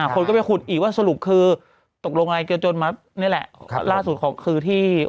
คนก็ไปขุดอีกว่าสรุปคือตกลงอะไรจนมานี่แหละล่าสุดคือที่